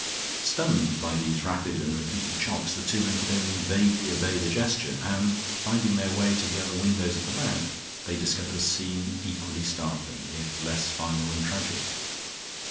Stunned by these rapid and repeated shocks, the two men could only vaguely obey the gesture, and, finding their way to the other windows at the back, they discovered a scene equally startling, if less final and tragic.